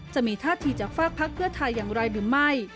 จะมีท่าทีจากฝากพักเพื่อไทยอย่างไรหรือไม่